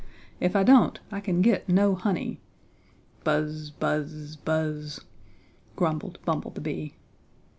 If I don't I can get no honey. Buzz buzz buzz," grumbled Bumble the Bee.